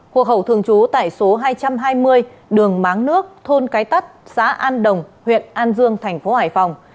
hộ khẩu thường trú tại số hai trăm hai mươi đường máng nước thôn cái tắt xã an đồng huyện an dương thành phố hải phòng